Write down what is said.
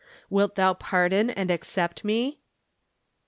Wilt thou pardon and accept me